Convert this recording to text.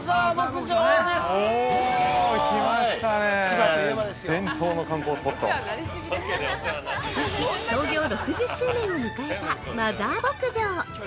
◆ことし、創業６０周年を迎えたマザー牧場！